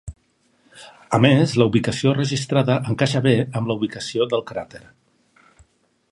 A més, la ubicació registrada encaixa bé amb la ubicació del cràter.